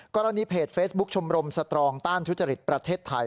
กรณีเพจเฟซบุ๊คชมรมสตรองต้านทุจริตประเทศไทย